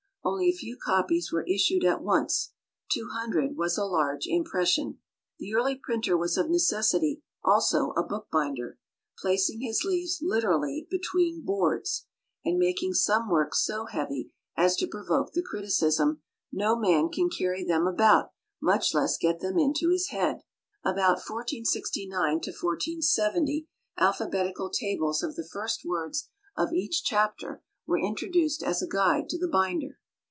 Only a few copies were issued at once; two hundred was a large impression. The early printer was of necessity also a bookbinder, placing his leaves literally between boards, and making some works so heavy as to provoke the criticism, "No man can carry them about, much less get them into his head." About 1469 70, alphabetical tables of the first words of each chapter were introduced as a guide to the binder.